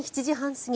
過ぎ